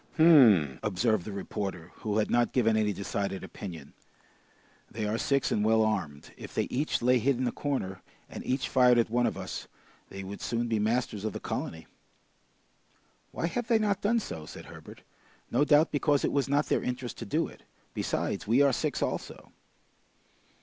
"Hum!" observed the reporter, who had not given any decided opinion. "They are six and well armed. If they each lay hid in a corner, and each fired at one of us, they would soon be masters of the colony!" "Why have they not done so?" said Herbert. "No doubt because it was not their interest to do it. Besides, we are six also."